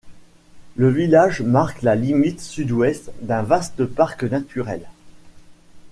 Le village marque la limite Sud-Ouest d'un vaste parc naturel.